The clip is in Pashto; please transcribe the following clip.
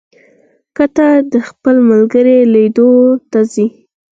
که ته د خپل ملګري لیدو ته ځې،